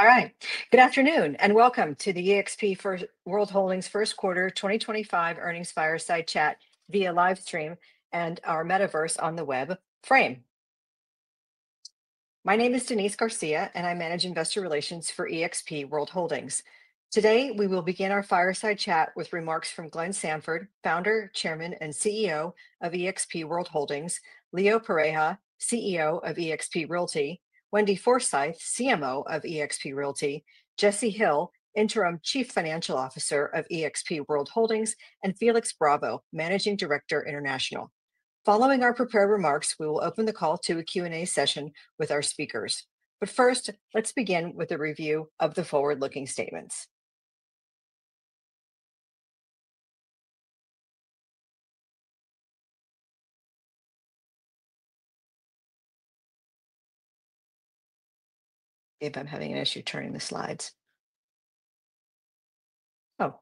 All right. Good afternoon and welcome to the eXp World Holdings First Quarter 2025 earnings fireside chat via livestream and our metaverse on the web frame. My name is Denise Garcia, and I manage investor relations for eXp World Holdings. Today we will begin our fireside chat with remarks from Glenn Sanford, Founder, Chairman, and CEO of eXp World Holdings; Leo Pareja, CEO of eXp Realty; Wendy Forsythe, CMO of eXp Realty; Jesse Hill, Interim Chief Financial Officer of eXp World Holdings; and Felix Bravo, Managing Director International. Following our prepared remarks, we will open the call to a Q&A session with our speakers. First, let's begin with a review of the forward-looking statements. If I'm having an issue turning the slides. Oh.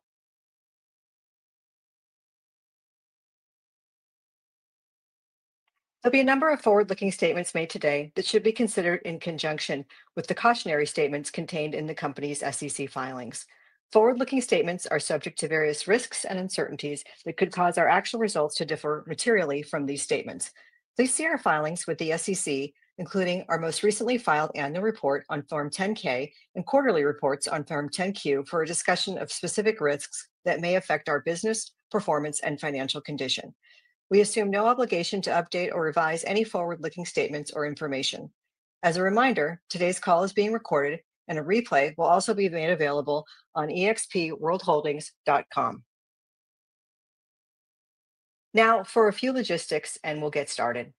There will be a number of forward-looking statements made today that should be considered in conjunction with the cautionary statements contained in the company's SEC filings. Forward-looking statements are subject to various risks and uncertainties that could cause our actual results to differ materially from these statements. Please see our filings with the SEC, including our most recently filed annual report on Form 10-K and quarterly reports on Form 10-Q, for a discussion of specific risks that may affect our business performance and financial condition. We assume no obligation to update or revise any forward-looking statements or information. As a reminder, today's call is being recorded, and a replay will also be made available on expworldholdings.com. Now for a few logistics, and we'll get started.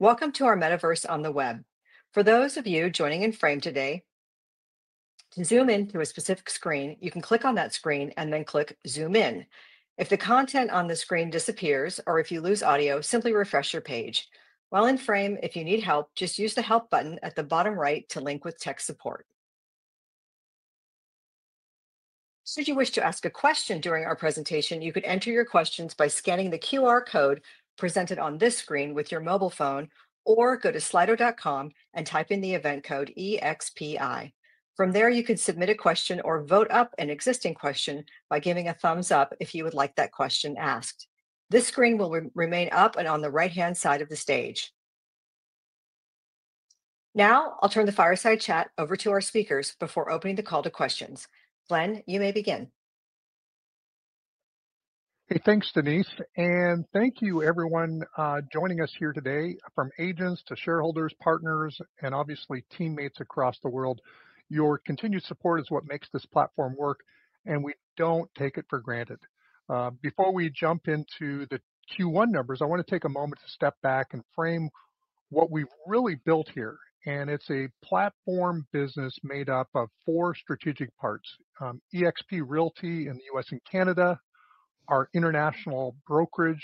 Welcome to our metaverse on the web. For those of you joining in frame today, to zoom into a specific screen, you can click on that screen and then click zoom in. If the content on the screen disappears or if you lose audio, simply refresh your page. While in frame, if you need help, just use the help button at the bottom right to link with tech support. Should you wish to ask a question during our presentation, you could enter your questions by scanning the QR code presented on this screen with your mobile phone, or go to slido.com and type in the event code EXPI. From there, you could submit a question or vote up an existing question by giving a thumbs up if you would like that question asked. This screen will remain up and on the right-hand side of the stage. Now I'll turn the fireside chat over to our speakers before opening the call to questions. Glenn, you may begin. Hey, thanks, Denise. And thank you, everyone joining us here today, from agents to shareholders, partners, and obviously teammates across the world. Your continued support is what makes this platform work, and we don't take it for granted. Before we jump into the Q1 numbers, I want to take a moment to step back and frame what we've really built here. And it's a platform business made up of four strategic parts: eXp Realty in the U.S. and Canada, our international brokerage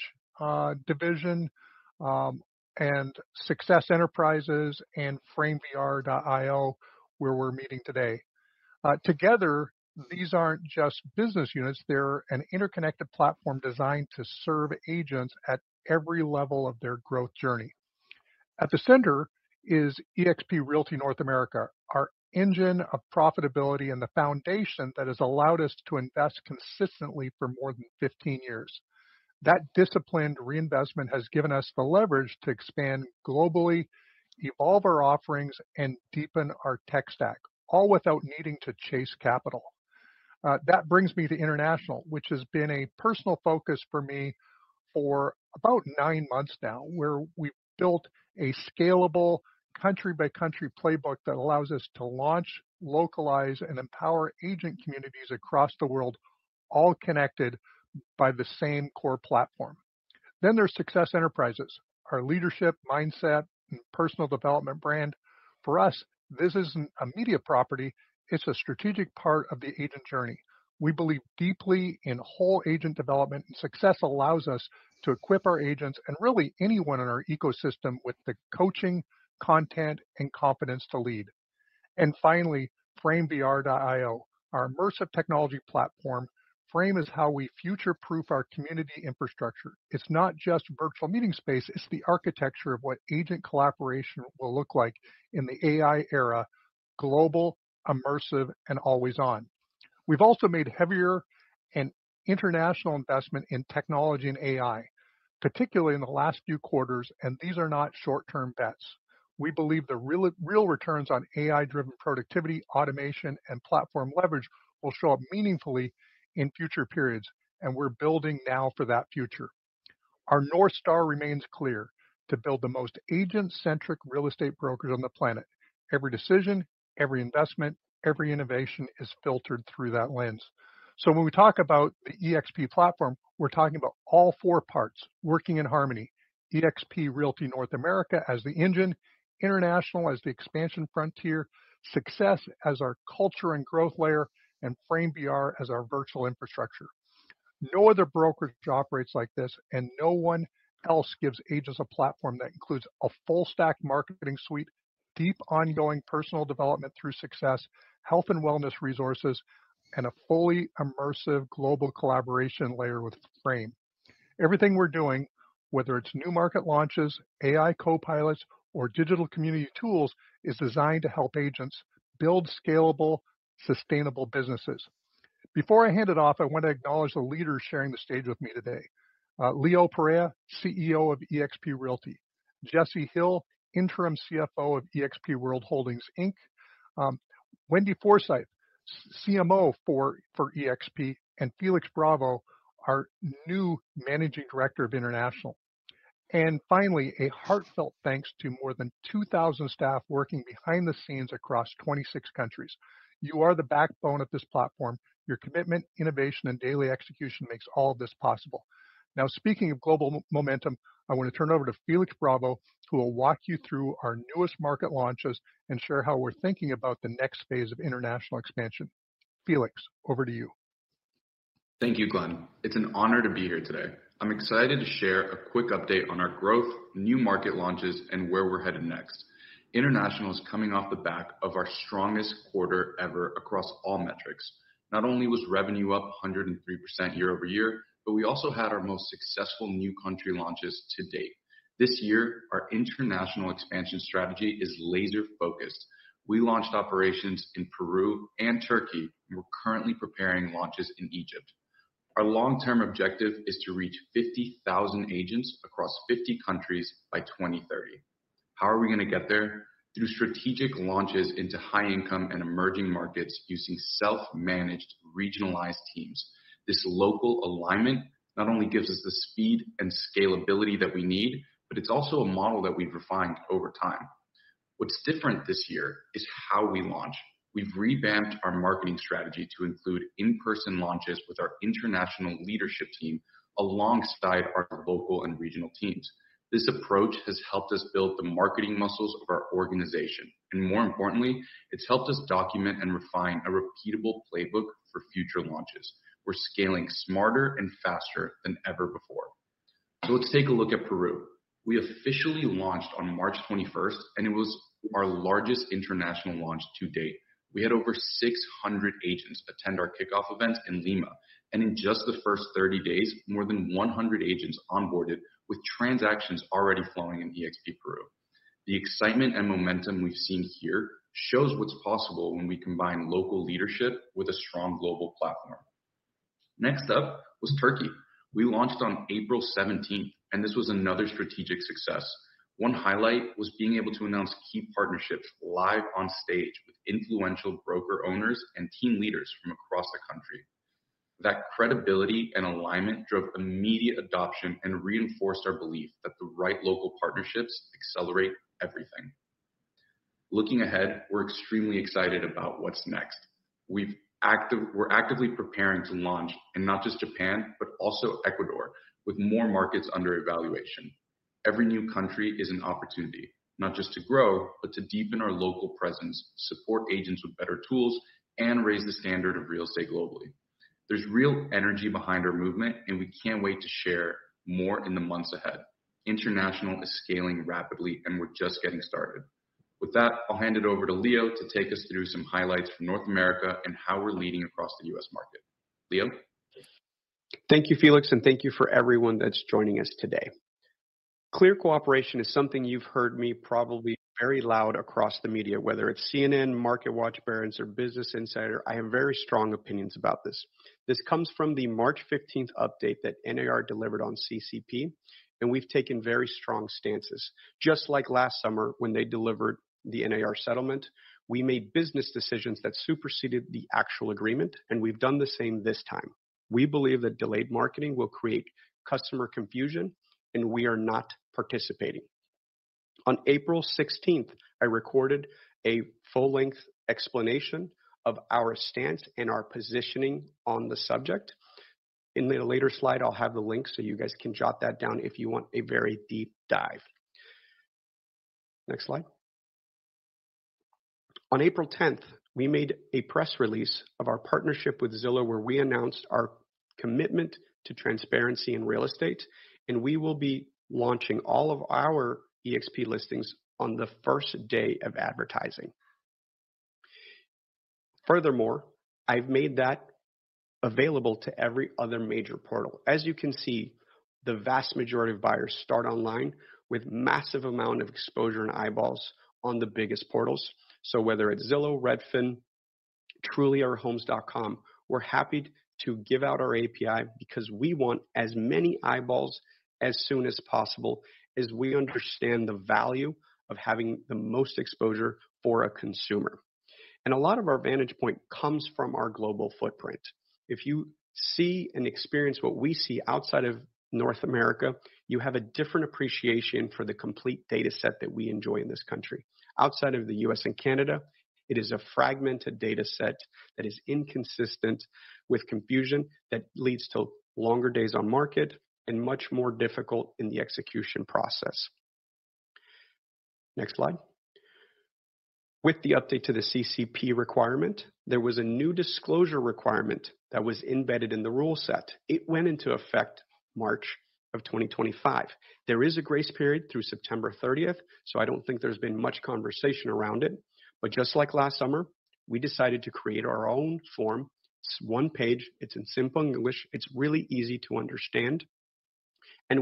division, and Success Enterprises and framevr.io, where we're meeting today. Together, these aren't just business units. They're an interconnected platform designed to serve agents at every level of their growth journey. At the center is eXp Realty North America, our engine of profitability and the foundation that has allowed us to invest consistently for more than 15 years. That disciplined reinvestment has given us the leverage to expand globally, evolve our offerings, and deepen our tech stack, all without needing to chase capital. That brings me to international, which has been a personal focus for me for about nine months now, where we've built a scalable country-by-country playbook that allows us to launch, localize, and empower agent communities across the world, all connected by the same core platform. There is Success Enterprises, our leadership mindset and personal development brand. For us, this isn't a media property. It's a strategic part of the agent journey. We believe deeply in whole agent development, and Success allows us to equip our agents and really anyone in our ecosystem with the coaching, content, and confidence to lead. Finally, framevr.io, our immersive technology platform. Frame is how we future-proof our community infrastructure. It's not just virtual meeting space. It's the architecture of what agent collaboration will look like in the AI era: global, immersive, and always on. We've also made heavier and international investment in technology and AI, particularly in the last few quarters. These are not short-term bets. We believe the real returns on AI-driven productivity, automation, and platform leverage will show up meaningfully in future periods. We're building now for that future. Our North Star remains clear: to build the most agent-centric real estate brokers on the planet. Every decision, every investment, every innovation is filtered through that lens. When we talk about the eXp platform, we're talking about all four parts working in harmony: eXp Realty North America as the engine, international as the expansion frontier, success as our culture and growth layer, and framevr as our virtual infrastructure. No other brokerage operates like this, and no one else gives agents a platform that includes a full-stack marketing suite, deep ongoing personal development through Success, health and wellness resources, and a fully immersive global collaboration layer with Frame. Everything we are doing, whether it is new market launches, AI copilots, or digital community tools, is designed to help agents build scalable, sustainable businesses. Before I hand it off, I want to acknowledge the leaders sharing the stage with me today: Leo Pareja, CEO of eXp Realty; Jesse Hill, interim CFO of eXp World Holdings; Wendy Forsythe, CMO for eXp; and Felix Bravo, our new managing director of international. Finally, a heartfelt thanks to more than 2,000 staff working behind the scenes across 26 countries. You are the backbone of this platform. Your commitment, innovation, and daily execution make all of this possible. Now, speaking of global momentum, I want to turn it over to Felix Bravo, who will walk you through our newest market launches and share how we're thinking about the next phase of international expansion. Felix, over to you. Thank you, Glenn. It's an honor to be here today. I'm excited to share a quick update on our growth, new market launches, and where we're headed next. International is coming off the back of our strongest quarter ever across all metrics. Not only was revenue up 103% year over year, but we also had our most successful new country launches to date. This year, our international expansion strategy is laser-focused. We launched operations in Peru and Turkey, and we're currently preparing launches in Egypt. Our long-term objective is to reach 50,000 agents across 50 countries by 2030. How are we going to get there? Through strategic launches into high-income and emerging markets using self-managed, regionalized teams. This local alignment not only gives us the speed and scalability that we need, but it's also a model that we've refined over time. What's different this year is how we launch. We've revamped our marketing strategy to include in-person launches with our international leadership team alongside our local and regional teams. This approach has helped us build the marketing muscles of our organization. More importantly, it's helped us document and refine a repeatable playbook for future launches. We're scaling smarter and faster than ever before. Let's take a look at Peru. We officially launched on March 21, and it was our largest international launch to date. We had over 600 agents attend our kickoff events in Lima. In just the first 30 days, more than 100 agents onboarded with transactions already flowing in eXp Peru. The excitement and momentum we've seen here shows what's possible when we combine local leadership with a strong global platform. Next up was Turkey. We launched on April 17, and this was another strategic success. One highlight was being able to announce key partnerships live on stage with influential broker owners and team leaders from across the country. That credibility and alignment drove immediate adoption and reinforced our belief that the right local partnerships accelerate everything. Looking ahead, we're extremely excited about what's next. We're actively preparing to launch in not just Japan, but also Ecuador, with more markets under evaluation. Every new country is an opportunity, not just to grow, but to deepen our local presence, support agents with better tools, and raise the standard of real estate globally. There's real energy behind our movement, and we can't wait to share more in the months ahead. International is scaling rapidly, and we're just getting started. With that, I'll hand it over to Leo to take us through some highlights from North America and how we're leading across the U.S. market. Leo. Thank you, Felix, and thank you for everyone that's joining us today. Clear cooperation is something you've heard me probably very loud across the media, whether it's CNN, Market Watch, Barron's, or Business Insider. I have very strong opinions about this. This comes from the March 15th update that NAR delivered on CCP, and we've taken very strong stances. Just like last summer when they delivered the NAR settlement, we made business decisions that superseded the actual agreement, and we've done the same this time. We believe that delayed marketing will create customer confusion, and we are not participating. On April 16th, I recorded a full-length explanation of our stance and our positioning on the subject. In the later slide, I'll have the link so you guys can jot that down if you want a very deep dive. Next slide. On April 10th, we made a press release of our partnership with Zillow, where we announced our commitment to transparency in real estate, and we will be launching all of our eXp listings on the first day of advertising. Furthermore, I've made that available to every other major portal. As you can see, the vast majority of buyers start online with a massive amount of exposure and eyeballs on the biggest portals. Whether it's Zillow, Redfin, Trulia, or Homes.com, we're happy to give out our API because we want as many eyeballs as soon as possible as we understand the value of having the most exposure for a consumer. A lot of our vantage point comes from our global footprint. If you see and experience what we see outside of North America, you have a different appreciation for the complete data set that we enjoy in this country. Outside of the U.S. and Canada, it is a fragmented data set that is inconsistent with confusion that leads to longer days on market and much more difficult in the execution process. Next slide. With the update to the CCP requirement, there was a new disclosure requirement that was embedded in the rule set. It went into effect March of 2025. There is a grace period through September 30, so I do not think there has been much conversation around it. Just like last summer, we decided to create our own form. It is one page. It is in simple English. It is really easy to understand.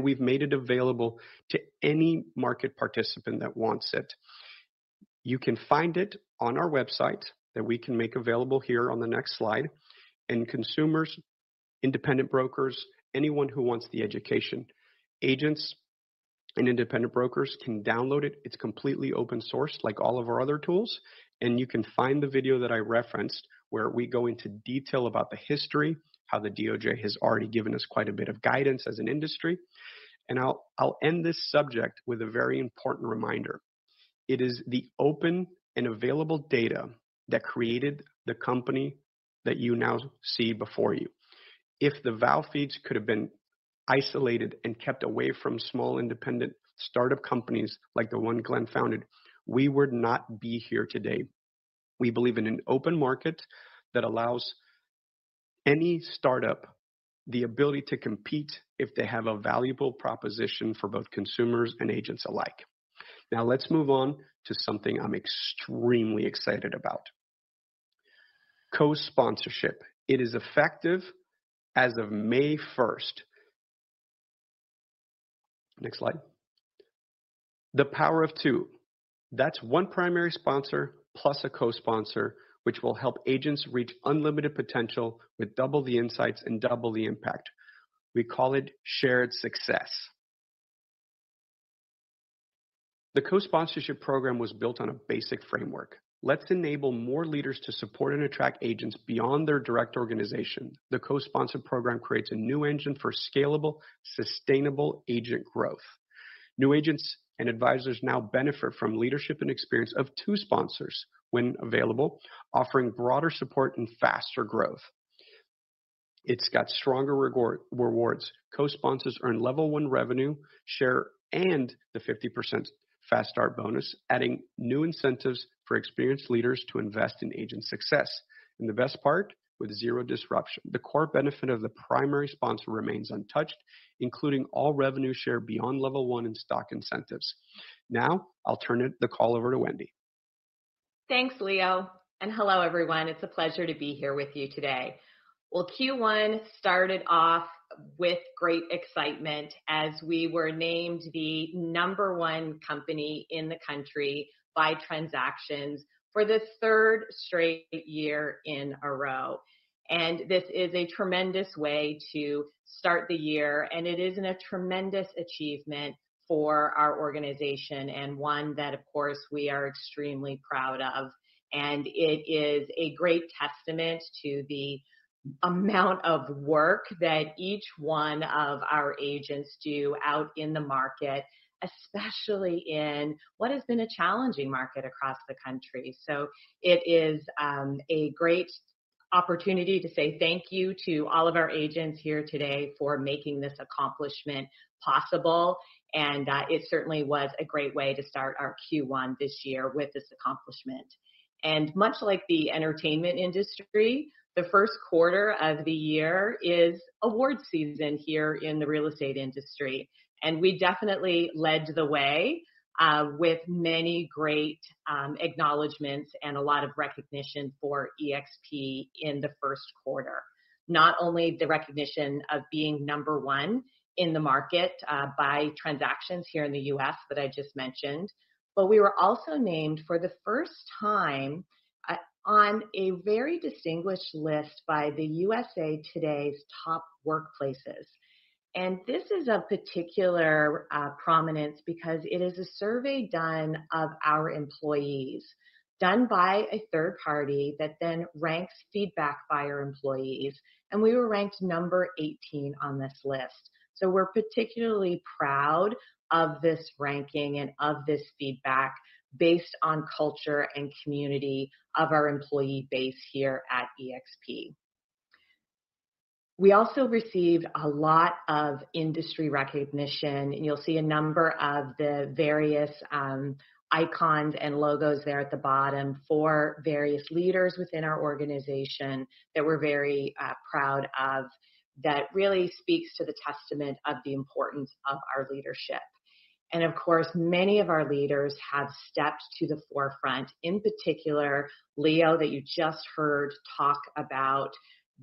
We have made it available to any market participant that wants it. You can find it on our website that we can make available here on the next slide. Consumers, independent brokers, anyone who wants the education, agents and independent brokers can download it. It's completely open source, like all of our other tools. You can find the video that I referenced where we go into detail about the history, how the DOJ has already given us quite a bit of guidance as an industry. I'll end this subject with a very important reminder. It is the open and available data that created the company that you now see before you. If the Val feeds could have been isolated and kept away from small independent startup companies like the one Glenn founded, we would not be here today. We believe in an open market that allows any startup the ability to compete if they have a valuable proposition for both consumers and agents alike. Now, let's move on to something I'm extremely excited about: co-sponsorship. It is effective as of May 1. Next slide. The power of two. That's one primary sponsor plus a co-sponsor, which will help agents reach unlimited potential with double the insights and double the impact. We call it shared success. The co-sponsorship program was built on a basic framework. Let's enable more leaders to support and attract agents beyond their direct organization. The co-sponsorship program creates a new engine for scalable, sustainable agent growth. New agents and advisors now benefit from leadership and experience of two sponsors when available, offering broader support and faster growth. It's got stronger rewards. Co-sponsors earn level one revenue share and the 50% fast start bonus, adding new incentives for experienced leaders to invest in agent success. The best part? With zero disruption, the core benefit of the primary sponsor remains untouched, including all revenue share beyond level one and stock incentives. Now, I'll turn the call over to Wendy. Thanks, Leo. Hello, everyone. It's a pleasure to be here with you today. Q1 started off with great excitement as we were named the number one company in the country by transactions for the third straight year in a row. This is a tremendous way to start the year. It is a tremendous achievement for our organization and one that, of course, we are extremely proud of. It is a great testament to the amount of work that each one of our agents do out in the market, especially in what has been a challenging market across the country. It is a great opportunity to say thank you to all of our agents here today for making this accomplishment possible. It certainly was a great way to start our Q1 this year with this accomplishment. Much like the entertainment industry, the first quarter of the year is award season here in the real estate industry. We definitely led the way with many great acknowledgments and a lot of recognition for eXp in the first quarter. Not only the recognition of being number one in the market by transactions here in the U.S. that I just mentioned, but we were also named for the first time on a very distinguished list by the USA Today's Top Workplaces. This is of particular prominence because it is a survey done of our employees, done by a third party that then ranks feedback by our employees. We were ranked number 18 on this list. We are particularly proud of this ranking and of this feedback based on culture and community of our employee base here at eXp. We also received a lot of industry recognition. You will see a number of the various icons and logos there at the bottom for various leaders within our organization that we are very proud of that really speaks to the testament of the importance of our leadership. Of course, many of our leaders have stepped to the forefront, in particular, Leo, that you just heard talk about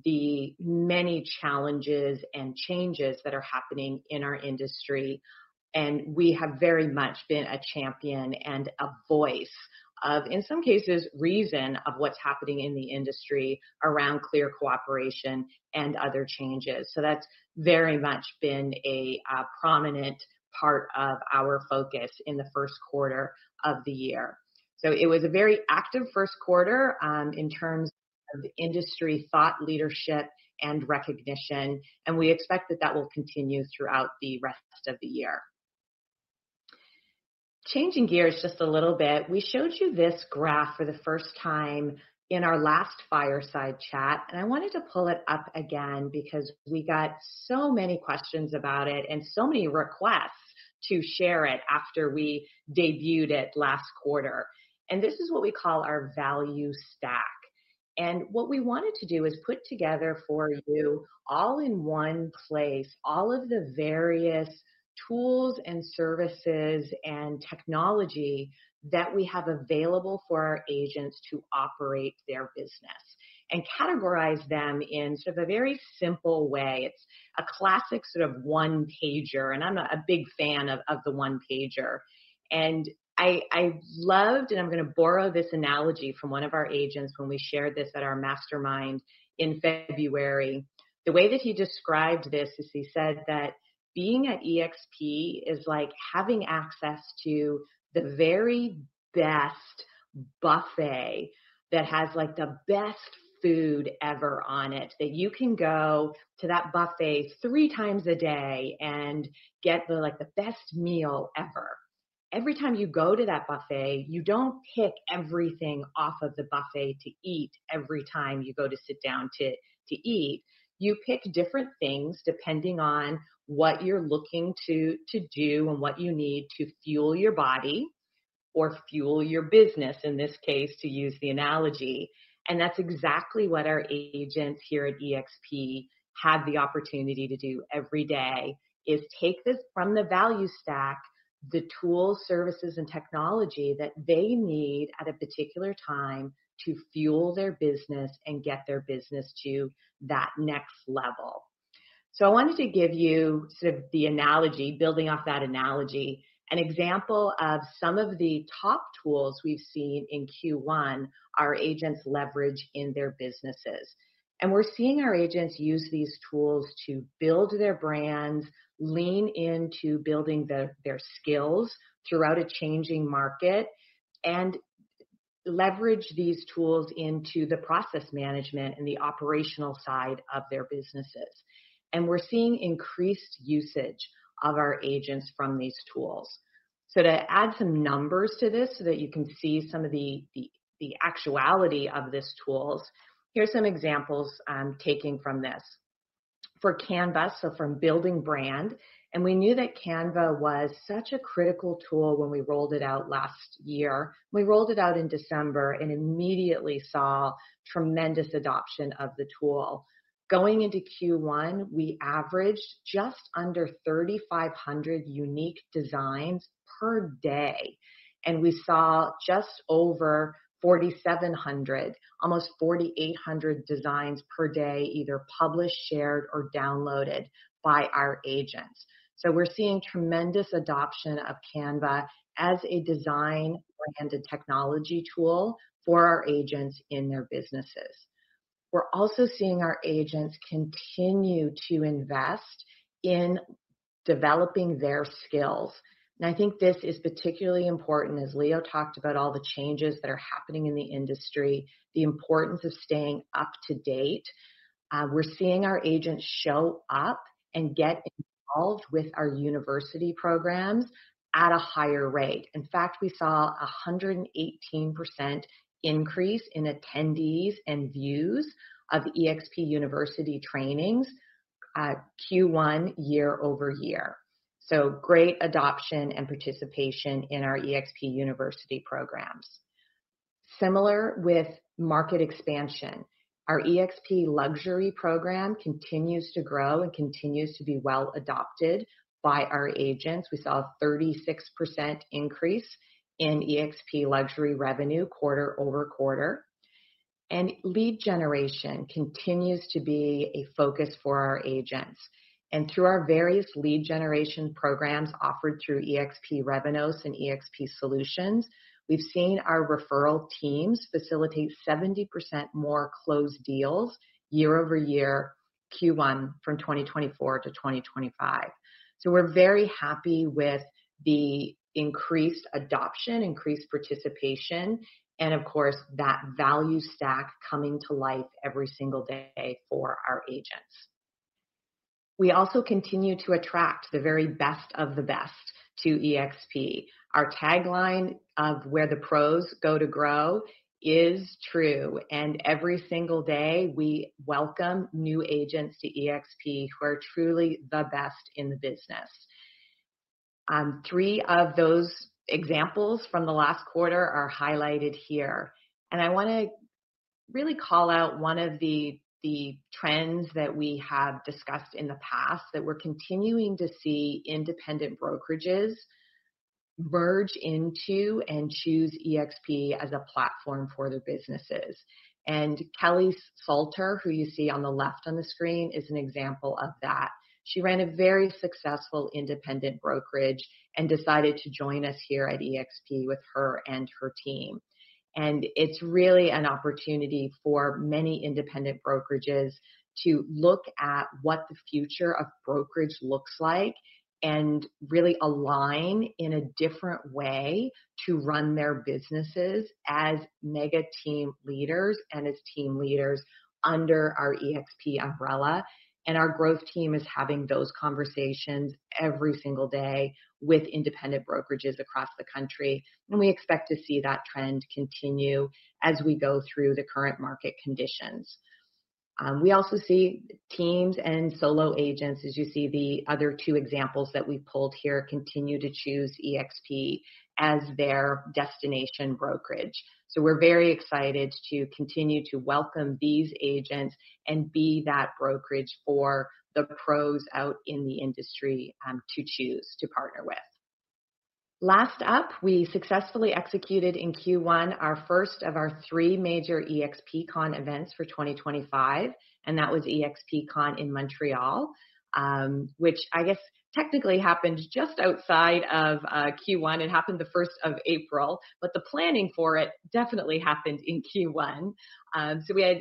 the many challenges and changes that are happening in our industry. We have very much been a champion and a voice of, in some cases, reason of what is happening in the industry around clear cooperation and other changes. That has very much been a prominent part of our focus in the first quarter of the year. It was a very active first quarter in terms of industry thought, leadership, and recognition. We expect that will continue throughout the rest of the year. Changing gears just a little bit, we showed you this graph for the first time in our last fireside chat. I wanted to pull it up again because we got so many questions about it and so many requests to share it after we debuted it last quarter. This is what we call our value stack. What we wanted to do is put together for you all in one place all of the various tools and services and technology that we have available for our agents to operate their business and categorize them in sort of a very simple way. It's a classic sort of one-pager. I'm not a big fan of the one-pager. I loved, and I'm going to borrow this analogy from one of our agents when we shared this at our mastermind in February. The way that he described this is he said that being at eXp is like having access to the very best buffet that has like the best food ever on it, that you can go to that buffet three times a day and get the best meal ever. Every time you go to that buffet, you don't pick everything off of the buffet to eat every time you go to sit down to eat. You pick different things depending on what you're looking to do and what you need to fuel your body or fuel your business, in this case, to use the analogy. That is exactly what our agents here at eXp have the opportunity to do every day: take this from the value stack, the tools, services, and technology that they need at a particular time to fuel their business and get their business to that next level. I wanted to give you sort of the analogy, building off that analogy, an example of some of the top tools we have seen in Q1 our agents leverage in their businesses. We are seeing our agents use these tools to build their brands, lean into building their skills throughout a changing market, and leverage these tools into the process management and the operational side of their businesses. We are seeing increased usage of our agents from these tools. To add some numbers to this so that you can see some of the actuality of this tools, here's some examples taking from this. For Canva, from building brand, and we knew that Canva was such a critical tool when we rolled it out last year. We rolled it out in December and immediately saw tremendous adoption of the tool. Going into Q1, we averaged just under 3,500 unique designs per day. We saw just over 4,700, almost 4,800 designs per day, either published, shared, or downloaded by our agents. We are seeing tremendous adoption of Canva as a design-branded technology tool for our agents in their businesses. We are also seeing our agents continue to invest in developing their skills. I think this is particularly important as Leo talked about all the changes that are happening in the industry, the importance of staying up to date. We're seeing our agents show up and get involved with our university programs at a higher rate. In fact, we saw a 118% increase in attendees and views of eXp University trainings Q1 year over year. Great adoption and participation in our eXp University programs. Similar with market expansion, our eXp Luxury program continues to grow and continues to be well adopted by our agents. We saw a 36% increase in eXp Luxury revenue quarter over quarter. Lead generation continues to be a focus for our agents. Through our various lead generation programs offered through eXp Revenos and eXp Solutions, we've seen our referral teams facilitate 70% more closed deals year over year Q1 from 2024 to 2025. We're very happy with the increased adoption, increased participation, and of course, that value stack coming to life every single day for our agents. We also continue to attract the very best of the best to eXp. Our tagline of where the pros go to grow is true. Every single day, we welcome new agents to eXp who are truly the best in the business. Three of those examples from the last quarter are highlighted here. I want to really call out one of the trends that we have discussed in the past that we're continuing to see: independent brokerages merge into and choose eXp as a platform for their businesses. Kelly Salter, who you see on the left on the screen, is an example of that. She ran a very successful independent brokerage and decided to join us here at eXp with her and her team. It is really an opportunity for many independent brokerages to look at what the future of brokerage looks like and really align in a different way to run their businesses as mega team leaders and as team leaders under our eXp umbrella. Our growth team is having those conversations every single day with independent brokerages across the country. We expect to see that trend continue as we go through the current market conditions. We also see teams and solo agents, as you see the other two examples that we pulled here, continue to choose eXp as their destination brokerage. We are very excited to continue to welcome these agents and be that brokerage for the pros out in the industry to choose to partner with. Last up, we successfully executed in Q1 our first of our three major eXpCon events for 2025. That was eXpCon in Montreal, which I guess technically happened just outside of Q1. It happened the 1st of April, but the planning for it definitely happened in Q1. We had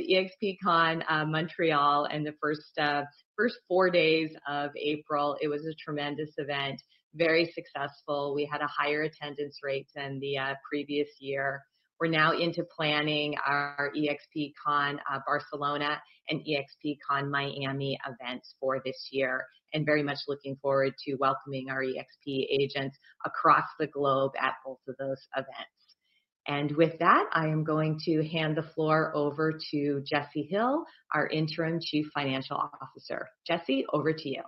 eXpCon Montreal in the first four days of April. It was a tremendous event, very successful. We had a higher attendance rate than the previous year. We are now into planning our eXpCon Barcelona and eXpCon Miami events for this year and very much looking forward to welcoming our eXp agents across the globe at both of those events. With that, I am going to hand the floor over to Jesse Hill, our Interim Chief Financial Officer. Jesse, over to you.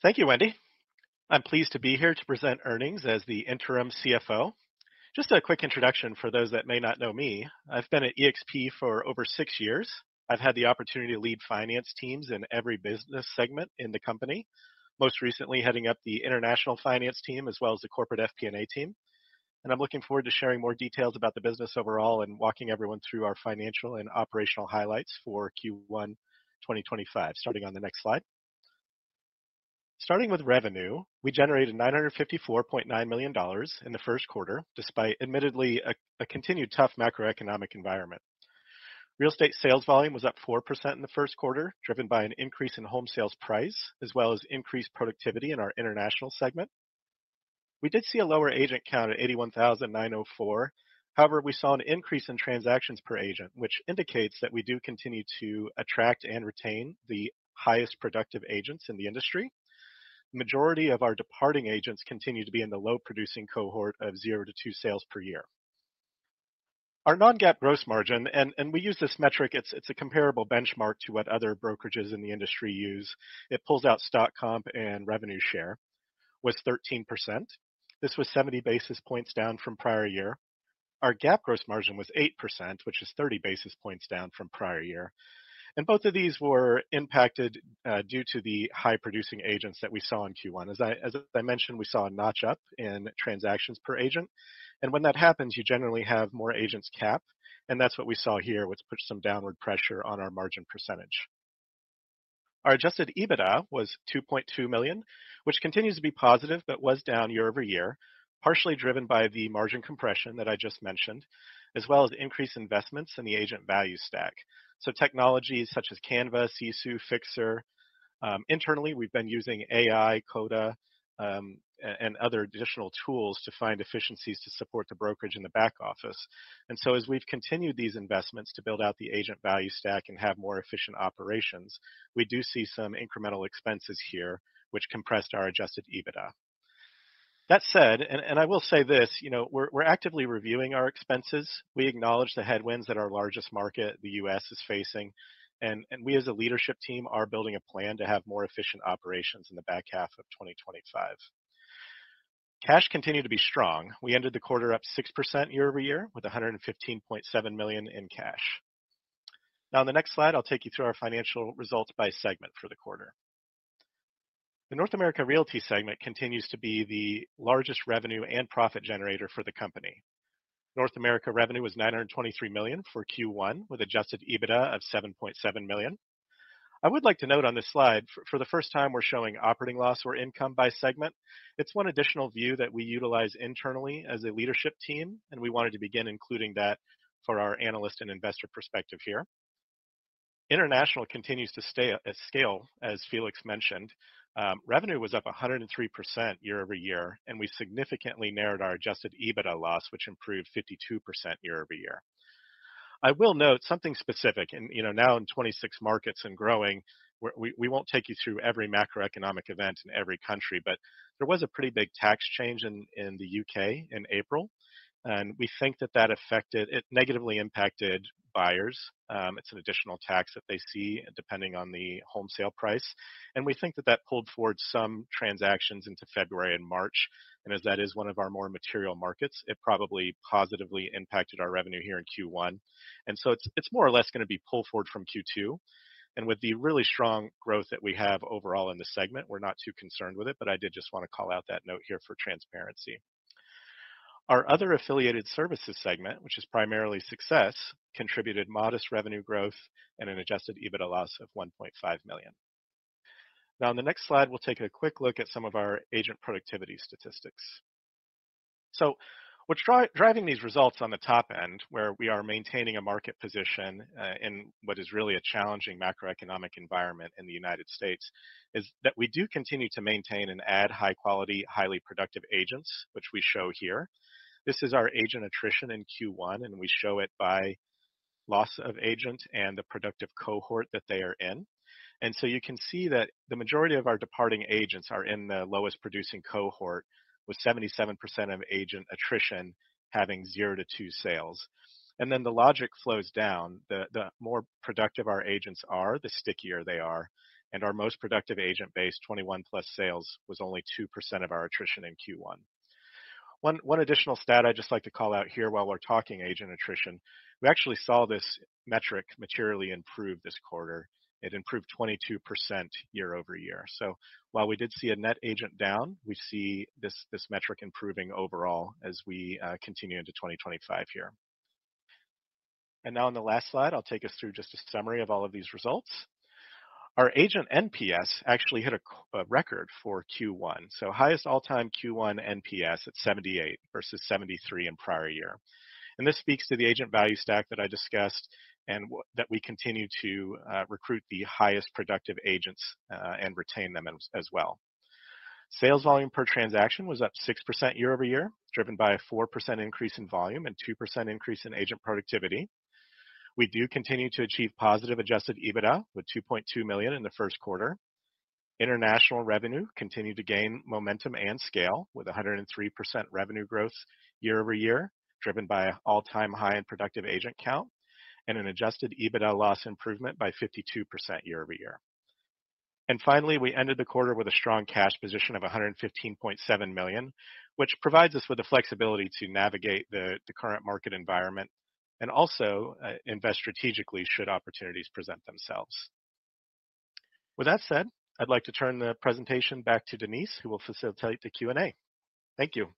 Thank you, Wendy. I'm pleased to be here to present earnings as the interim CFO. Just a quick introduction for those that may not know me. I've been at eXp for over six years. I've had the opportunity to lead finance teams in every business segment in the company, most recently heading up the international finance team as well as the corporate FP&A team. I'm looking forward to sharing more details about the business overall and walking everyone through our financial and operational highlights for Q1 2025. Starting on the next slide. Starting with revenue, we generated $954.9 million in the first quarter despite admittedly a continued tough macroeconomic environment. Real estate sales volume was up 4% in the first quarter, driven by an increase in home sales price as well as increased productivity in our international segment. We did see a lower agent count at 81,904. However, we saw an increase in transactions per agent, which indicates that we do continue to attract and retain the highest productive agents in the industry. The majority of our departing agents continue to be in the low-producing cohort of zero to two sales per year. Our Non-GAAP gross margin, and we use this metric, it's a comparable benchmark to what other brokerages in the industry use. It pulls out stock comp and revenue share, was 13%. This was 70 basis points down from prior year. Our GAAP gross margin was 8%, which is 30 basis points down from prior year. Both of these were impacted due to the high-producing agents that we saw in Q1. As I mentioned, we saw a notch up in transactions per agent. When that happens, you generally have more agents cap. That is what we saw here, which puts some downward pressure on our margin percentage. Our adjusted EBITDA was $2.2 million, which continues to be positive but was down year over year, partially driven by the margin compression that I just mentioned, as well as increased investments in the agent value stack. Technologies such as Canva, Sisu, Fixer. Internally, we have been using AI, Coda, and other additional tools to find efficiencies to support the brokerage in the back office. As we have continued these investments to build out the agent value stack and have more efficient operations, we do see some incremental expenses here, which compressed our adjusted EBITDA. That said, and I will say this, we are actively reviewing our expenses. We acknowledge the headwinds that our largest market, the U.S., is facing. We, as a leadership team, are building a plan to have more efficient operations in the back half of 2025. Cash continued to be strong. We ended the quarter up 6% year over year with $115.7 million in cash. Now, on the next slide, I'll take you through our financial results by segment for the quarter. The North America Realty segment continues to be the largest revenue and profit generator for the company. North America revenue was $923 million for Q1 with adjusted EBITDA of $7.7 million. I would like to note on this slide, for the first time, we're showing operating loss or income by segment. It's one additional view that we utilize internally as a leadership team, and we wanted to begin including that for our analyst and investor perspective here. International continues to scale, as Felix mentioned. Revenue was up 103% year over year, and we significantly narrowed our adjusted EBITDA loss, which improved 52% year over year. I will note something specific. Now in 26 markets and growing, we won't take you through every macroeconomic event in every country, but there was a pretty big tax change in the U.K. in April. We think that that negatively impacted buyers. It's an additional tax that they see depending on the home sale price. We think that that pulled forward some transactions into February and March. As that is one of our more material markets, it probably positively impacted our revenue here in Q1. It is more or less going to be pulled forward from Q2. With the really strong growth that we have overall in the segment, we're not too concerned with it, but I did just want to call out that note here for transparency. Our other affiliated services segment, which is primarily Success, contributed modest revenue growth and an adjusted EBITDA loss of $1.5 million. Now, on the next slide, we'll take a quick look at some of our agent productivity statistics. What's driving these results on the top end, where we are maintaining a market position in what is really a challenging macroeconomic environment in the United States, is that we do continue to maintain and add high-quality, highly productive agents, which we show here. This is our agent attrition in Q1, and we show it by loss of agent and the productive cohort that they are in. You can see that the majority of our departing agents are in the lowest producing cohort, with 77% of agent attrition having zero to two sales. The logic flows down. The more productive our agents are, the stickier they are. Our most productive agent base, 21 plus sales, was only 2% of our attrition in Q1. One additional stat I'd just like to call out here while we're talking agent attrition. We actually saw this metric materially improve this quarter. It improved 22% year over year. While we did see a net agent down, we see this metric improving overall as we continue into 2025 here. On the last slide, I'll take us through just a summary of all of these results. Our agent NPS actually hit a record for Q1. Highest all-time Q1 NPS at 78 versus 73 in prior year. This speaks to the agent value stack that I discussed and that we continue to recruit the highest productive agents and retain them as well. Sales volume per transaction was up 6% year over year, driven by a 4% increase in volume and 2% increase in agent productivity. We do continue to achieve positive adjusted EBITDA with $2.2 million in the first quarter. International revenue continued to gain momentum and scale with 103% revenue growth year over year, driven by an all-time high in productive agent count and an adjusted EBITDA loss improvement by 52% year over year. Finally, we ended the quarter with a strong cash position of $115.7 million, which provides us with the flexibility to navigate the current market environment and also invest strategically should opportunities present themselves. With that said, I'd like to turn the presentation back to Denise, who will facilitate the Q&A. Thank you.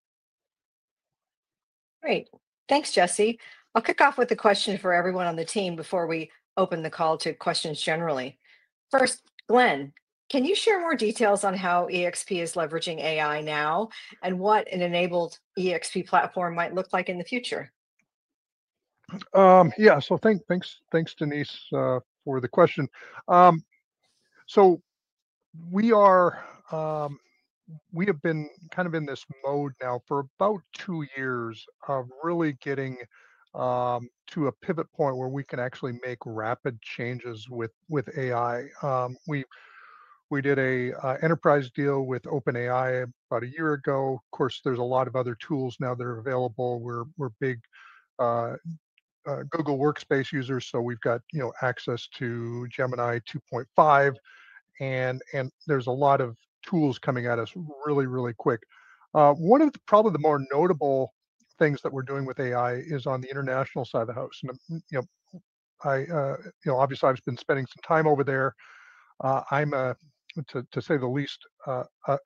Great. Thanks, Jesse. I'll kick off with a question for everyone on the team before we open the call to questions generally. First, Glenn, can you share more details on how eXp is leveraging AI now and what an enabled eXp platform might look like in the future? Yeah. Thanks, Denise, for the question. We have been kind of in this mode now for about two years of really getting to a pivot point where we can actually make rapid changes with AI. We did an enterprise deal with OpenAI about a year ago. Of course, there are a lot of other tools now that are available. We're big Google Workspace users, so we've got access to Gemini 2.5, and there are a lot of tools coming at us really, really quick. One of probably the more notable things that we're doing with AI is on the international side of the house. Obviously, I've been spending some time over there. I'm, to say the least,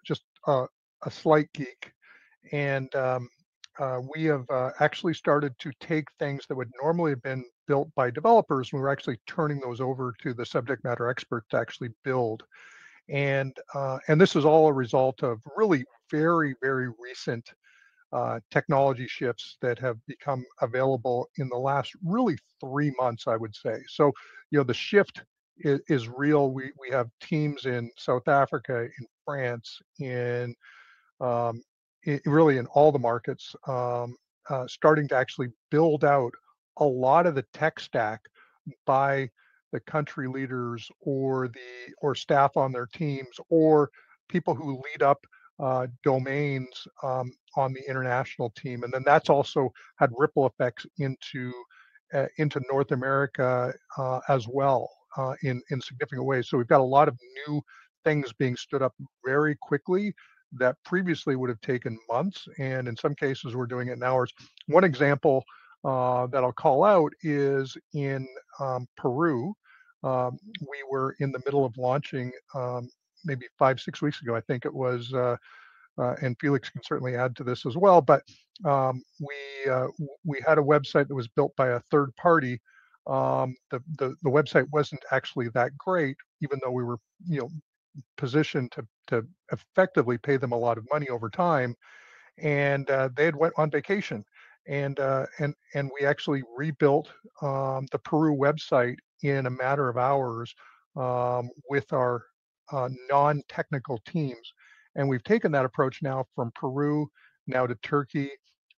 just a slight geek. We have actually started to take things that would normally have been built by developers. We're actually turning those over to the subject matter expert to actually build. This is all a result of really very, very recent technology shifts that have become available in the last really three months, I would say. The shift is real. We have teams in South Africa, in France, really in all the markets, starting to actually build out a lot of the tech stack by the country leaders or staff on their teams or people who lead up domains on the international team. That has also had ripple effects into North America as well in significant ways. We've got a lot of new things being stood up very quickly that previously would have taken months. In some cases, we're doing it in hours. One example that I'll call out is in Peru. We were in the middle of launching maybe five, six weeks ago, I think it was. Felix can certainly add to this as well. We had a website that was built by a third party. The website was not actually that great, even though we were positioned to effectively pay them a lot of money over time. They had went on vacation. We actually rebuilt the Peru website in a matter of hours with our non-technical teams. We have taken that approach now from Peru to Turkey.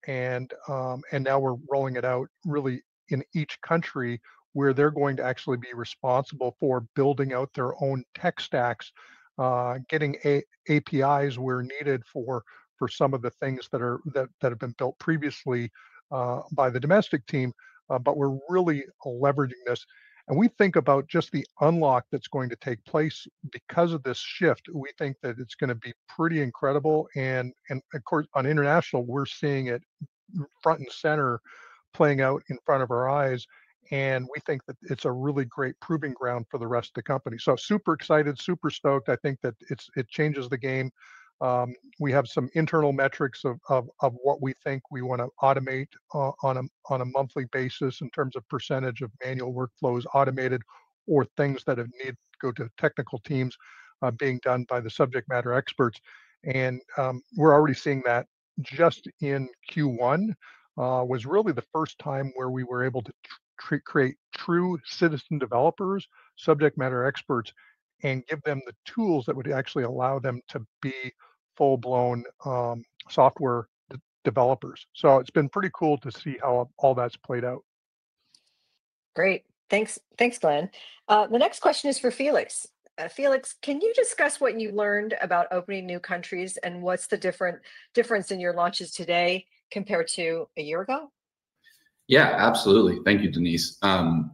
Now we are rolling it out really in each country where they are going to actually be responsible for building out their own tech stacks, getting APIs where needed for some of the things that have been built previously by the domestic team. We are really leveraging this. We think about just the unlock that's going to take place because of this shift. We think that it's going to be pretty incredible. Of course, on international, we're seeing it front and center playing out in front of our eyes. We think that it's a really great proving ground for the rest of the company. Super excited, super stoked. I think that it changes the game. We have some internal metrics of what we think we want to automate on a monthly basis in terms of % of manual workflows automated or things that need to go to technical teams being done by the subject matter experts. We're already seeing that just in Q1 was really the first time where we were able to create true citizen developers, subject matter experts, and give them the tools that would actually allow them to be full-blown software developers. It's been pretty cool to see how all that's played out. Great. Thanks, Glenn. The next question is for Felix. Felix, can you discuss what you learned about opening new countries and what's the difference in your launches today compared to a year ago? Yeah, absolutely. Thank you, Denise.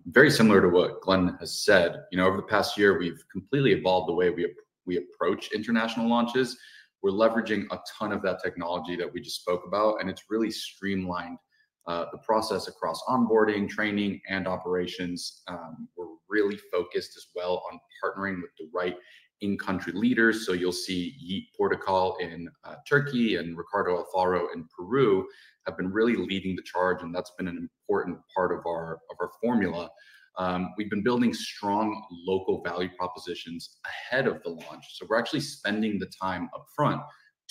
Very similar to what Glenn has said. Over the past year, we've completely evolved the way we approach international launches. We're leveraging a ton of that technology that we just spoke about. It's really streamlined the process across onboarding, training, and operations. We're really focused as well on partnering with the right in-country leaders. You'll see Yi Porto in Turkey and Ricardo Alfaro in Peru have been really leading the charge. That's been an important part of our formula. We've been building strong local value propositions ahead of the launch. We're actually spending the time upfront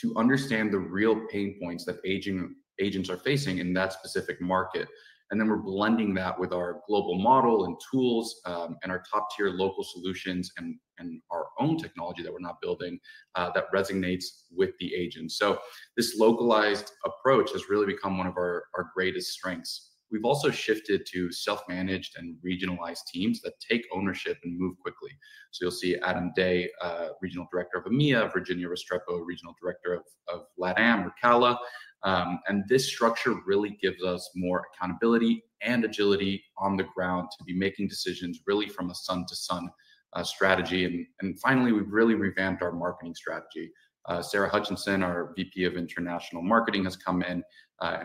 to understand the real pain points that agents are facing in that specific market. We're blending that with our global model and tools and our top-tier local solutions and our own technology that we're now building that resonates with the agents. This localized approach has really become one of our greatest strengths. We've also shifted to self-managed and regionalized teams that take ownership and move quickly. You'll see Adam Day, Regional Director of EMEA; Virginia Restrepo, Regional Director of LATAM; Ricardo. This structure really gives us more accountability and agility on the ground to be making decisions really from a sun-to-sun strategy. Finally, we've really revamped our marketing strategy. Sarah Hutchinson, our VP of International Marketing, has come in.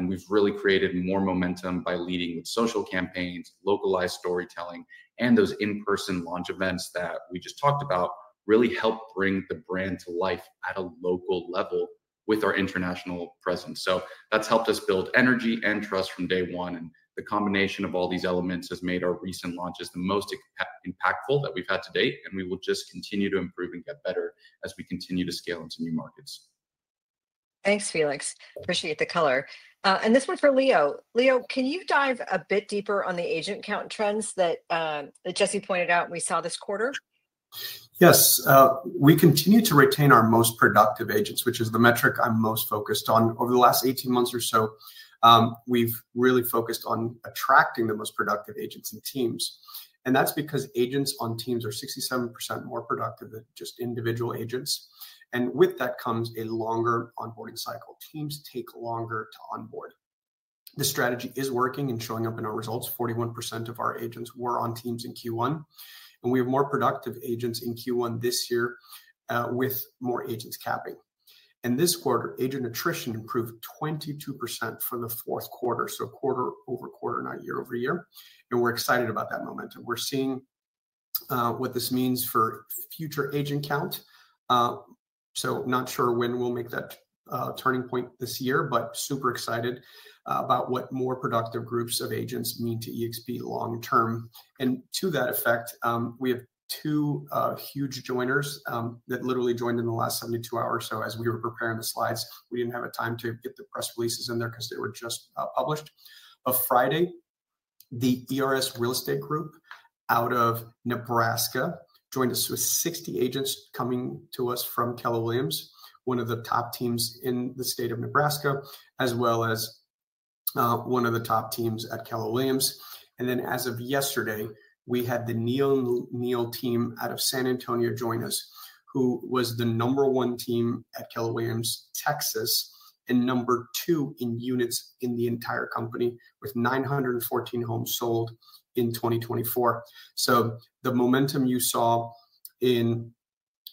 We've really created more momentum by leading with social campaigns, localized storytelling, and those in-person launch events that we just talked about really helped bring the brand to life at a local level with our international presence. That's helped us build energy and trust from day one. The combination of all these elements has made our recent launches the most impactful that we've had to date. We will just continue to improve and get better as we continue to scale into new markets. Thanks, Felix. Appreciate the color. This one for Leo. Leo, can you dive a bit deeper on the agent count trends that Jesse pointed out and we saw this quarter? Yes. We continue to retain our most productive agents, which is the metric I'm most focused on over the last 18 months or so. We've really focused on attracting the most productive agents and teams. That's because agents on teams are 67% more productive than just individual agents. With that comes a longer onboarding cycle. Teams take longer to onboard. The strategy is working and showing up in our results. 41% of our agents were on teams in Q1. We have more productive agents in Q1 this year with more agents capping. This quarter, agent attrition improved 22% for the fourth quarter, so quarter over quarter, not year over year. We're excited about that momentum. We're seeing what this means for future agent count. Not sure when we'll make that turning point this year, but super excited about what more productive groups of agents mean to eXp long term. To that effect, we have two huge joiners that literally joined in the last 72 hours. As we were preparing the slides, we did not have time to get the press releases in there because they were just published. On Friday, the ERS Real Estate Group out of Nebraska joined us with 60 agents coming to us from Keller Williams, one of the top teams in the state of Nebraska, as well as one of the top teams at Keller Williams. As of yesterday, we had the Neil team out of San Antonio join us, who was the number one team at Keller Williams, Texas, and number two in units in the entire company with 914 homes sold in 2024. The momentum you saw in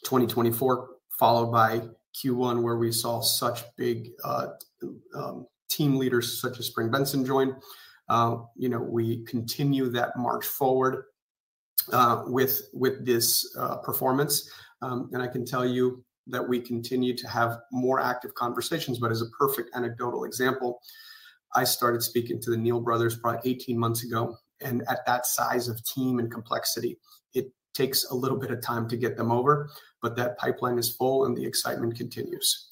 2024, followed by Q1, where we saw such big team leaders such as Spring Benson join, we continue that march forward with this performance. I can tell you that we continue to have more active conversations. As a perfect anecdotal example, I started speaking to the Neil brothers probably 18 months ago. At that size of team and complexity, it takes a little bit of time to get them over. That pipeline is full, and the excitement continues.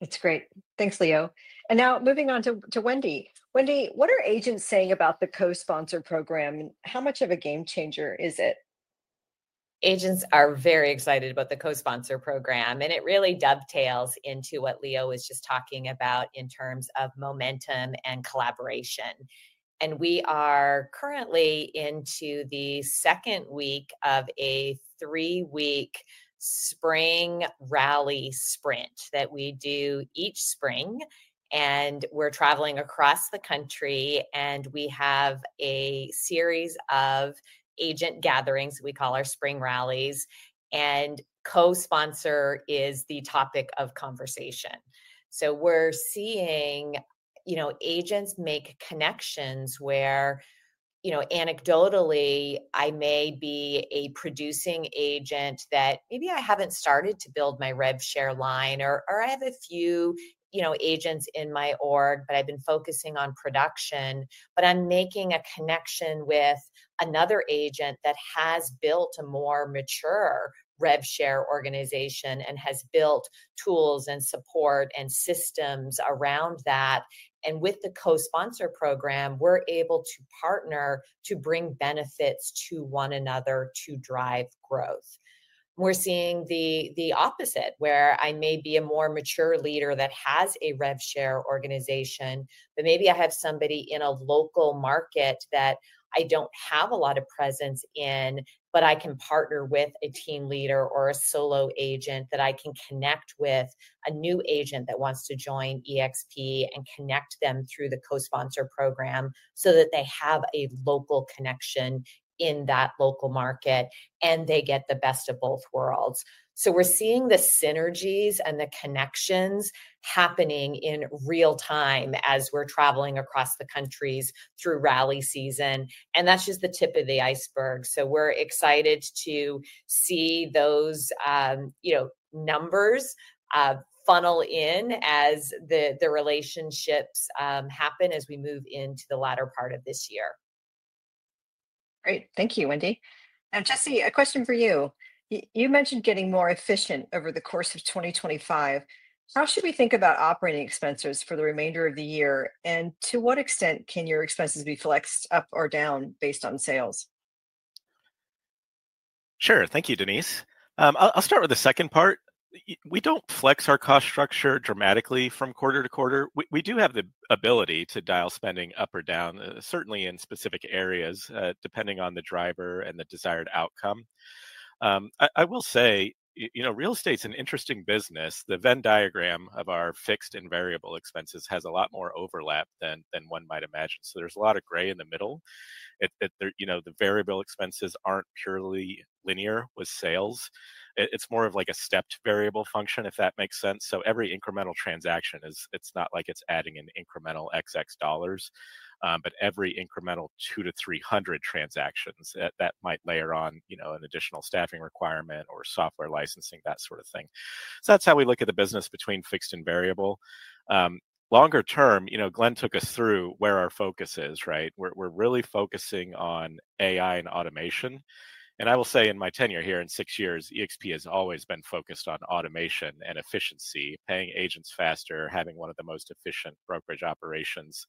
It's great. Thanks, Leo. Now moving on to Wendy. Wendy, what are agents saying about the co-sponsorship program? How much of a game changer is it? Agents are very excited about the co-sponsor program. It really dovetails into what Leo was just talking about in terms of momentum and collaboration. We are currently into the second week of a three-week Spring Rally Sprint that we do each spring. We are traveling across the country. We have a series of agent gatherings that we call our Spring Rallies. Co-sponsor is the topic of conversation. We are seeing agents make connections where, anecdotally, I may be a producing agent that maybe I have not started to build my rev share line, or I have a few agents in my org, but I have been focusing on production. I am making a connection with another agent that has built a more mature rev share organization and has built tools and support and systems around that. With the co-sponsor program, we're able to partner to bring benefits to one another to drive growth. We're seeing the opposite, where I may be a more mature leader that has a rev share organization, but maybe I have somebody in a local market that I don't have a lot of presence in, but I can partner with a team leader or a solo agent that I can connect with a new agent that wants to join eXp and connect them through the co-sponsor program so that they have a local connection in that local market and they get the best of both worlds. We're seeing the synergies and the connections happening in real time as we're traveling across the countries through rally season. That's just the tip of the iceberg. We're excited to see those numbers funnel in as the relationships happen as we move into the latter part of this year. Great. Thank you, Wendy. Now, Jesse, a question for you. You mentioned getting more efficient over the course of 2025. How should we think about operating expenses for the remainder of the year? To what extent can your expenses be flexed up or down based on sales? Sure. Thank you, Denise. I'll start with the second part. We don't flex our cost structure dramatically from quarter to quarter. We do have the ability to dial spending up or down, certainly in specific areas depending on the driver and the desired outcome. I will say real estate is an interesting business. The Venn diagram of our fixed and variable expenses has a lot more overlap than one might imagine. There is a lot of gray in the middle. The variable expenses aren't purely linear with sales. It's more of like a stepped variable function, if that makes sense. Every incremental transaction, it's not like it's adding an incremental XX dollars, but every incremental 200-300 transactions, that might layer on an additional staffing requirement or software licensing, that sort of thing. That's how we look at the business between fixed and variable. Longer term, Glenn took us through where our focus is, right? We're really focusing on AI and automation. I will say in my tenure here in six years, eXp has always been focused on automation and efficiency, paying agents faster, having one of the most efficient brokerage operations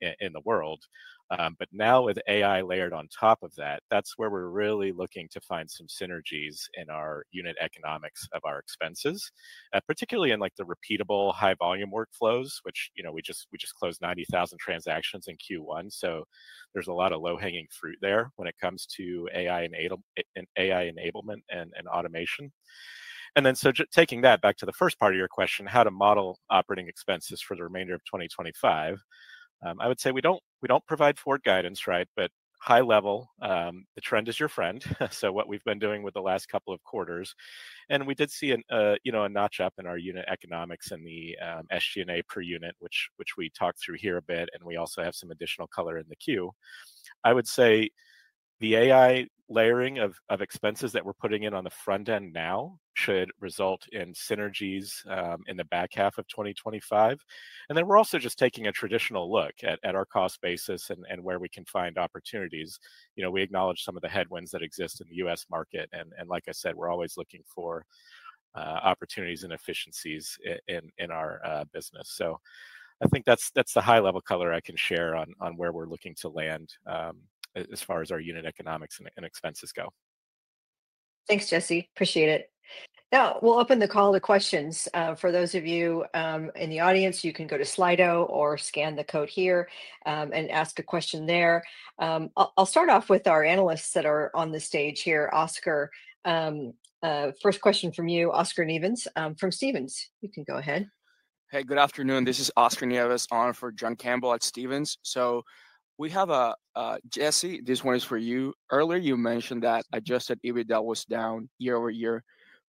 in the world. Now with AI layered on top of that, that's where we're really looking to find some synergies in our unit economics of our expenses, particularly in the repeatable high-volume workflows, which we just closed 90,000 transactions in Q1. There's a lot of low-hanging fruit there when it comes to AI enablement and automation. Taking that back to the first part of your question, how to model operating expenses for the remainder of 2025, I would say we don't provide forward guidance, right? High level, the trend is your friend. What we've been doing with the last couple of quarters. We did see a notch up in our unit economics and the SG&A per unit, which we talked through here a bit. We also have some additional color in the queue. I would say the AI layering of expenses that we're putting in on the front end now should result in synergies in the back half of 2025. We are also just taking a traditional look at our cost basis and where we can find opportunities. We acknowledge some of the headwinds that exist in the U.S. market. Like I said, we're always looking for opportunities and efficiencies in our business. I think that's the high-level color I can share on where we're looking to land as far as our unit economics and expenses go. Thanks, Jesse. Appreciate it. Now, we'll open the call to questions. For those of you in the audience, you can go to Slido or scan the code here and ask a question there. I'll start off with our analysts that are on the stage here. Oscar, first question from you, Oscar Nevins from Stephens. You can go ahead. Hey, good afternoon. This is Oscar Nevins on for John Campbell at Stephens. Jesse, this one is for you. Earlier, you mentioned that adjusted EBITDA was down year over year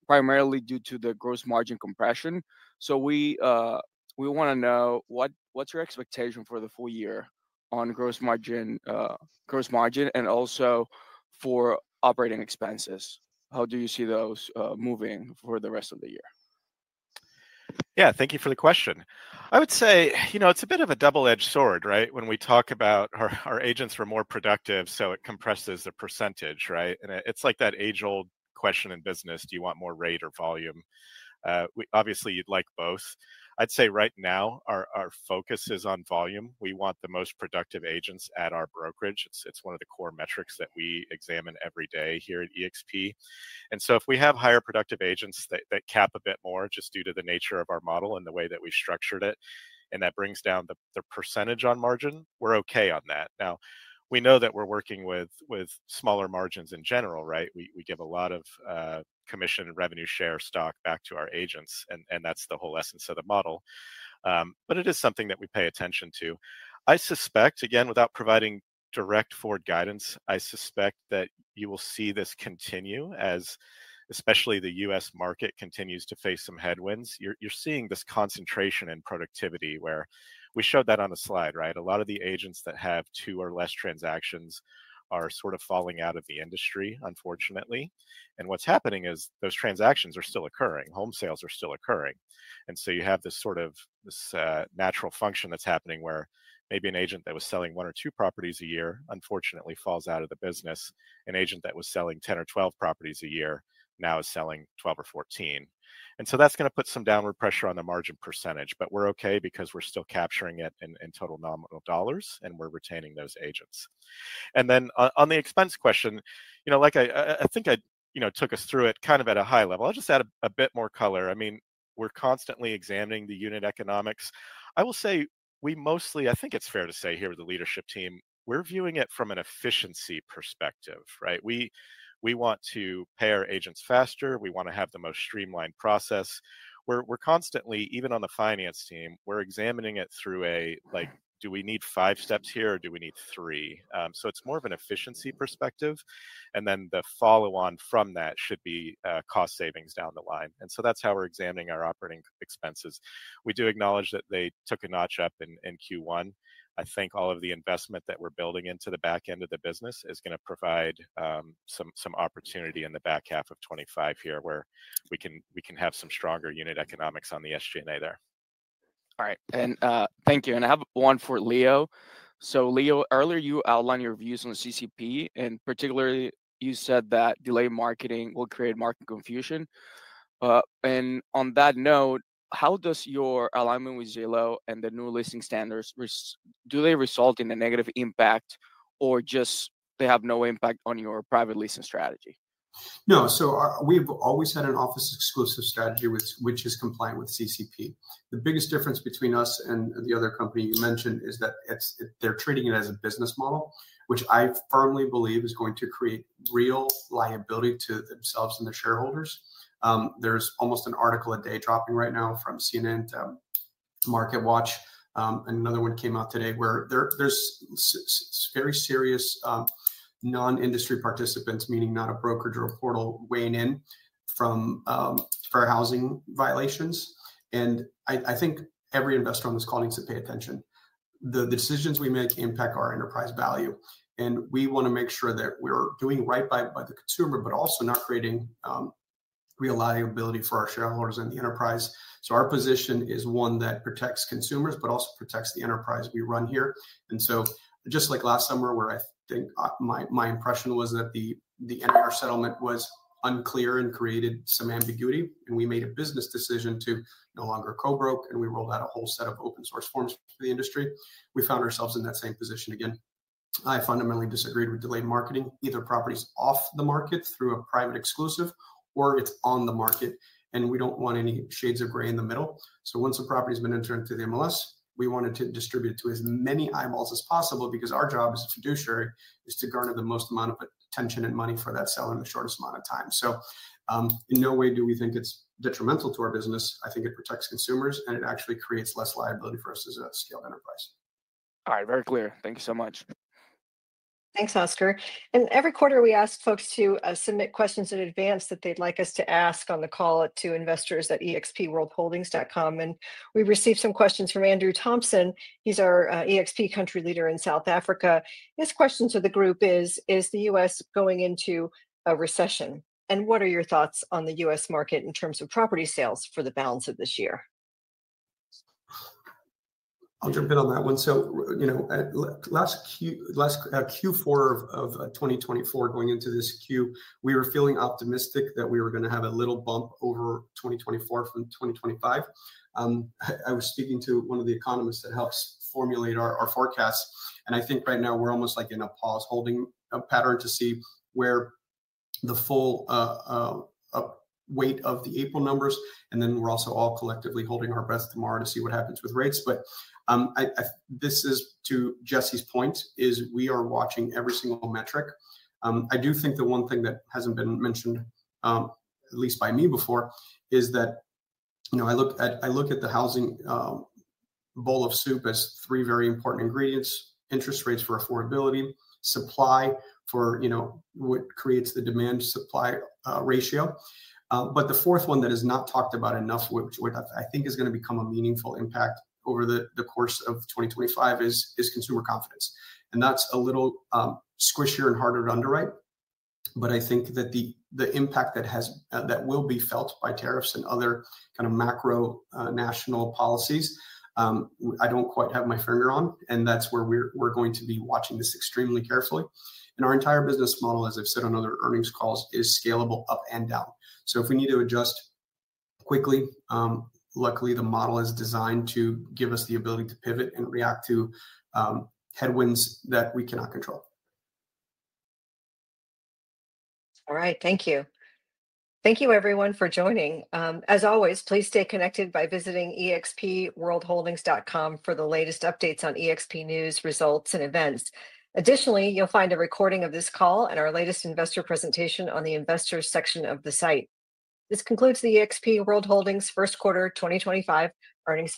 primarily due to the gross margin compression. We want to know what is your expectation for the full year on gross margin and also for operating expenses. How do you see those moving for the rest of the year? Yeah, thank you for the question. I would say it's a bit of a double-edged sword, right? When we talk about our agents for more productive, so it compresses the percentage, right? It's like that age-old question in business. Do you want more rate or volume? Obviously, you'd like both. I'd say right now our focus is on volume. We want the most productive agents at our brokerage. It's one of the core metrics that we examine every day here at eXp. If we have higher productive agents that cap a bit more just due to the nature of our model and the way that we structured it, and that brings down the percentage on margin, we're okay on that. Now, we know that we're working with smaller margins in general, right? We give a lot of commission and revenue share stock back to our agents. That is the whole essence of the model. It is something that we pay attention to. I suspect, again, without providing direct forward guidance, I suspect that you will see this continue as especially the U.S. market continues to face some headwinds. You are seeing this concentration in productivity where we showed that on the slide, right? A lot of the agents that have two or fewer transactions are sort of falling out of the industry, unfortunately. What is happening is those transactions are still occurring. Home sales are still occurring. You have this sort of natural function that is happening where maybe an agent that was selling one or two properties a year unfortunately falls out of the business. An agent that was selling 10 or 12 properties a year now is selling 12 or 14. That is going to put some downward pressure on the margin percentage. We are okay because we are still capturing it in total nominal dollars, and we are retaining those agents. On the expense question, I think I took us through it at a high level. I will just add a bit more color. I mean, we are constantly examining the unit economics. I will say we mostly, I think it is fair to say here with the leadership team, we are viewing it from an efficiency perspective, right? We want to pay our agents faster. We want to have the most streamlined process. We are constantly, even on the finance team, examining it through a, do we need five steps here or do we need three? It is more of an efficiency perspective. The follow-on from that should be cost savings down the line. That is how we are examining our operating expenses. We do acknowledge that they took a notch up in Q1. I think all of the investment that we are building into the back end of the business is going to provide some opportunity in the back half of 2025 here where we can have some stronger unit economics on the SG&A there. All right. Thank you. I have one for Leo. Leo, earlier you outlined your views on CCP. Particularly, you said that delayed marketing will create market confusion. On that note, how does your alignment with Zillow and the new listing standards, do they result in a negative impact or just have no impact on your private leasing strategy? No. So we've always had an office-exclusive strategy, which is compliant with CCP. The biggest difference between us and the other company you mentioned is that they're treating it as a business model, which I firmly believe is going to create real liability to themselves and their shareholders. There's almost an article a day dropping right now from CNN to MarketWatch. Another one came out today where there's very serious non-industry participants, meaning not a brokerage or a portal, weighing in from fair housing violations. I think every investor on this call needs to pay attention. The decisions we make impact our enterprise value. We want to make sure that we're doing right by the consumer, but also not creating real liability for our shareholders and the enterprise. Our position is one that protects consumers, but also protects the enterprise we run here. Just like last summer, where I think my impression was that the NAR settlement was unclear and created some ambiguity, and we made a business decision to no longer co-broke, and we rolled out a whole set of open-source forms for the industry, we found ourselves in that same position again. I fundamentally disagreed with delayed marketing. Either property's off the market through a private exclusive or it's on the market, and we don't want any shades of gray in the middle. Once a property's been entered into the MLS, we want it to distribute to as many eyeballs as possible because our job as a fiduciary is to garner the most amount of attention and money for that seller in the shortest amount of time. In no way do we think it's detrimental to our business. I think it protects consumers, and it actually creates less liability for us as a scaled enterprise. All right. Very clear. Thank you so much. Thanks, Oscar. Every quarter, we ask folks to submit questions in advance that they'd like us to ask on the call to investors@expworldholdings.com. We received some questions from Andrew Thompson. He's our eXp country leader in South Africa. His question to the group is, is the U.S. going into a recession? What are your thoughts on the U.S. market in terms of property sales for the balance of this year? I'll jump in on that one. Last Q4 of 2024, going into this Q, we were feeling optimistic that we were going to have a little bump over 2024 from 2025. I was speaking to one of the economists that helps formulate our forecasts. I think right now we're almost like in a pause, holding a pattern to see where the full weight of the April numbers. We are also all collectively holding our breath tomorrow to see what happens with rates. This is to Jesse's point, we are watching every single metric. I do think the one thing that hasn't been mentioned, at least by me before, is that I look at the housing bowl of soup as three very important ingredients: interest rates for affordability, supply for what creates the demand-supply ratio. The fourth one that is not talked about enough, which I think is going to become a meaningful impact over the course of 2025, is consumer confidence. That is a little squishier and harder to underwrite. I think that the impact that will be felt by tariffs and other kind of macro-national policies, I do not quite have my finger on. That is where we are going to be watching this extremely carefully. Our entire business model, as I have said on other earnings calls, is scalable up and down. If we need to adjust quickly, luckily, the model is designed to give us the ability to pivot and react to headwinds that we cannot control. All right. Thank you. Thank you, everyone, for joining. As always, please stay connected by visiting expworldholdings.com for the latest updates on eXp news, results, and events. Additionally, you'll find a recording of this call and our latest investor presentation on the investors' section of the site. This concludes the eXp World Holdings First Quarter 2025 earnings.